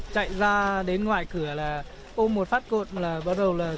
chạy ra đến ngoài cửa là ôm một phát cột là bắt đầu